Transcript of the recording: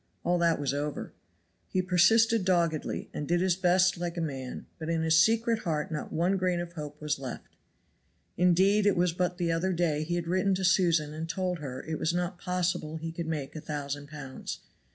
All that was over. He persisted doggedly, and did his best like a man, but in his secret heart not one grain of hope was left. Indeed it was but the other day he had written to Susan and told her it was not possible he could make a thousand pounds.